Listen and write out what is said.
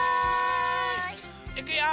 いくよ！